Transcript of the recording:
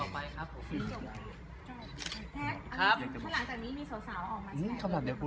ถ้าต้องมาแสดงความแสดงก้าด